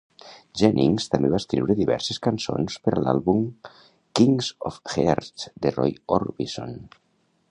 Jennings també va escriure diverses cançons per a l'àlbum King Of Hearts de Roy Orbison.